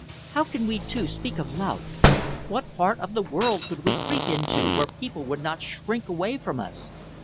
How can we two speak of love! What part of the world could we creep into where people would not shrink away from us?